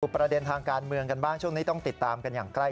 ประเด็นทางการเมืองกันบ้างช่วงนี้ต้องติดตามกันอย่างใกล้